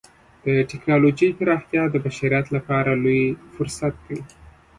د ټکنالوجۍ پراختیا د بشریت لپاره لوی فرصت دی.